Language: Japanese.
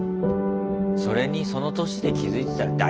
それにその年で気付いてたら大丈夫だ。